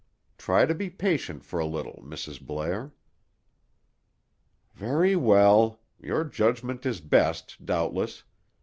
Try to be patient for a little, Mrs. Blair." "Very well. Your judgment is best, doubtless.